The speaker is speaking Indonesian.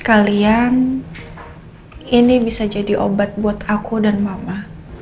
kalian ini bisa jadi obat buat aku dan mama